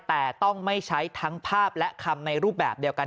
แต่ต้องไม่ใช้ทั้งภาพและคำในรูปแบบเดียวกัน